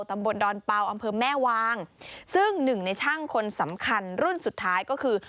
ตำบลดอนเปล่าอำเภอแม่วางซึ่งหนึ่งในช่างคนสำคัญรุ่นสุดท้ายก็คือ